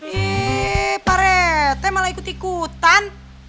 ih parete malah ikut ikutan